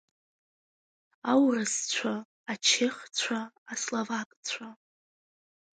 Аурысцәа, ачехцәа, асловакцәа!